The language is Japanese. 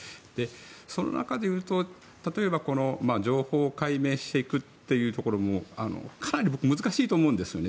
その中でいうと例えば情報を解明していくというところもかなり僕、難しいと思うんですよね。